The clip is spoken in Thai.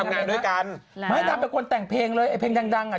งานด้วยกันไม่ดังเป็นคนแต่งเพลงเลยไอ้เพลงดังดังอ่ะ